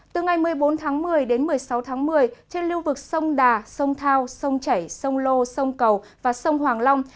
từ ngày một mươi bốn tháng một mươi đến một mươi sáu tháng một mươi trên lưu vực sông đà sông thao sông chảy sông lô sông cầu và sông hoàng long